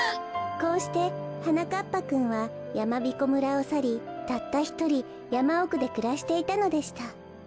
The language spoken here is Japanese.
こうしてはなかっぱくんはやまびこ村をさりたったひとりやまおくでくらしていたのでした。